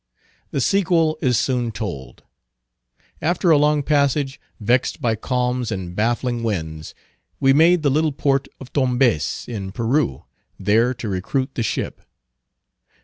The sequel is soon told. After a long passage, vexed by calms and baffling winds, we made the little port of Tombez in Peru, there to recruit the ship.